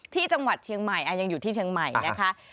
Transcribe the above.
ที่จังหวัดเชียงใหม่ยังอยู่ที่เชียงใหม่นะคะ